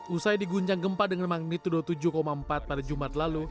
usai diguncang gempa dengan magnet dua puluh tujuh empat pada jumat lalu